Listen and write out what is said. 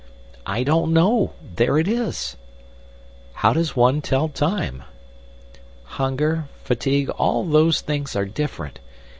"I don't know. There it is!" "How does one tell time?" "Hunger—fatigue—all those things are different.